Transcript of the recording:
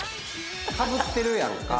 かぶってるやんか。